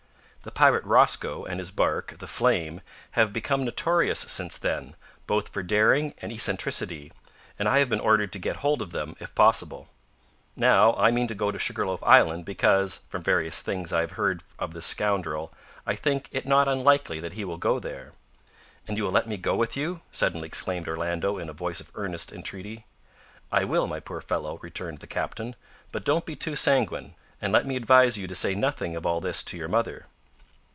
The pirate Rosco, and his barque, the `Flame,' have become notorious since then, both for daring and eccentricity, and I have been ordered to get hold of them, if possible. Now, I mean to go to Sugar loaf Island, because, from various things I have heard of this scoundrel, I think it not unlikely that he will go there." "And you will let me go with you?" suddenly exclaimed Orlando, in a voice of earnest entreaty. "I will, my poor fellow," returned the captain; "but don't be too sanguine; and let me advise you to say nothing of all this to your mother."